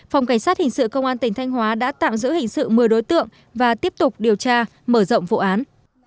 phòng cảnh sát hình sự công an tỉnh thanh hóa đã tạm giữ hình sự một mươi đối tượng và tiếp tục điều tra mở rộng vụ án